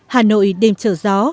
hà nội đêm trở gió